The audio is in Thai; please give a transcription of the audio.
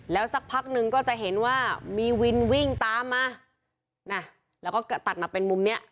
แล้วสักพักหนึ่งก็จะเห็นว่ามีวินวิ่งตามมาน่ะแล้วก็ตัดมาเป็นมุมเนี้ย